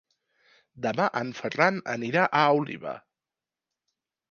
Demà en Ferran anirà a Oliva.